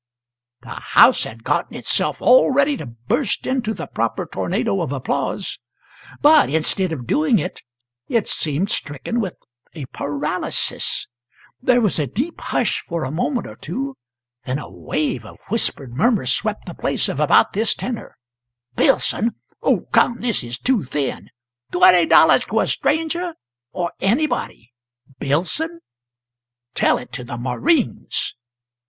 The house had gotten itself all ready to burst into the proper tornado of applause; but instead of doing it, it seemed stricken with a paralysis; there was a deep hush for a moment or two, then a wave of whispered murmurs swept the place of about this tenor: "Billson! oh, come, this is too thin! Twenty dollars to a stranger or anybody Billson! Tell it to the marines!"